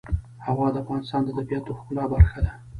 هوا د افغانستان د طبیعت د ښکلا برخه ده.